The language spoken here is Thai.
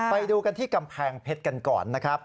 ไปดูกันที่กำแพงเพชรกันก่อนนะครับ